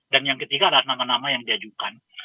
dan yang ketiga adalah nama nama yang diajukan